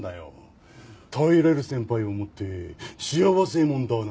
頼れる先輩を持って幸せ者だな！